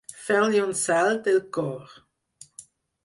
Fer-li un salt el cor.